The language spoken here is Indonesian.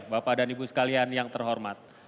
bapak dan ibu sekalian yang terhormat